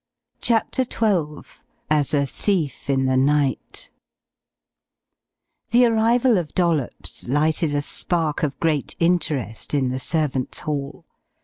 CHAPTER XII "AS A THIEF IN THE NIGHT " The arrival of Dollops lighted a spark of great interest in the servants' hall.